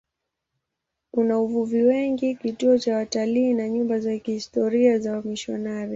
Una wavuvi wengi, kituo cha watalii na nyumba za kihistoria za wamisionari.